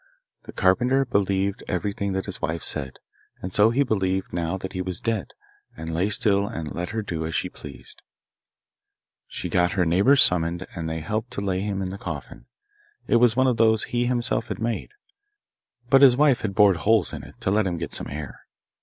The carpenter believed everything that his wife said, and so he believed now that he was dead, and lay still and let her do as she pleased. She got her neighbours summoned, and they helped to lay him in the coffin it was one of those he himself had made; but his wife had bored holes in it to let him get some air.